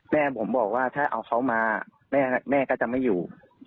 แม่ผมบอกว่าถ้าเอาเขามาแม่ก็จะไม่อยู่